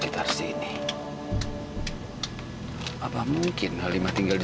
lupa dulu untuk